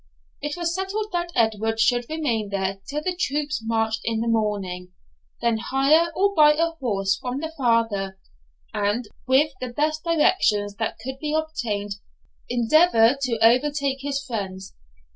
It was settled that Edward should remain there till the troops marched in the morning, then hire or buy a horse from the farmer, and, with the best directions that could be obtained, endeavour to overtake his friends.